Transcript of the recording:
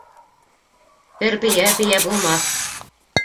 Бер бейә бейә булмаҫ